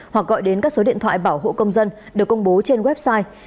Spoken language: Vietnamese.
hoặc gọi đến các số điện thoại bảo hộ công dân được công bố trên website